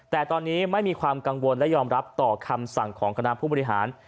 แต่ตอนนี้ไม่มีความกังวลและยอมรับต่อคำสั่งของคณะผู้บริหาร